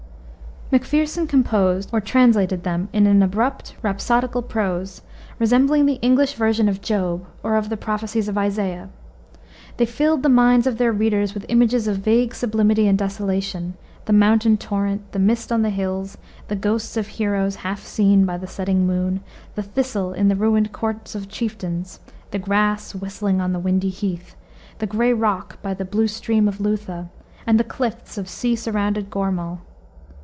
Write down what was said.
Macpherson composed or translated them in an abrupt, rhapsodical prose, resembling the English version of Job or of the prophecies of Isaiah. They filled the minds of their readers with images of vague sublimity and desolation; the mountain torrent, the mist on the hills, the ghosts of heroes half seen by the setting moon, the thistle in the ruined courts of chieftains, the grass whistling on the windy heath, the gray rock by the blue stream of Lutha, and the cliffs of sea surrounded Gormal.